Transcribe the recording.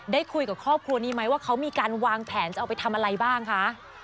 ได้คุยกับครอบครัวนี้ไหมว่าเขามีการวางแผนจะเอาไปทำอะไรบ้างคะ